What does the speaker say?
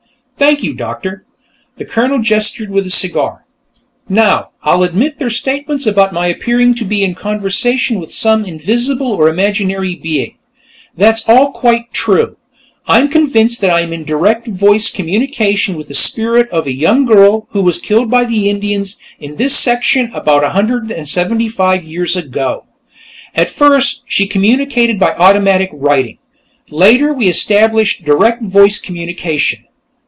"Thank you, Doctor." The Colonel gestured with his cigar. "Now, I'll admit their statements about my appearing to be in conversation with some invisible or imaginary being. That's all quite true. I'm convinced that I'm in direct voice communication with the spirit of a young girl who was killed by Indians in this section about a hundred and seventy five years ago. At first, she communicated by automatic writing; later we established direct voice communication.